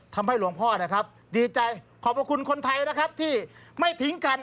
ทำให้หลวงพ่อนะครับดีใจขอบคุณคนไทยนะครับที่ไม่ทิ้งกัน